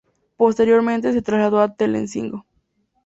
Posteriormente se trasladó a Telecinco.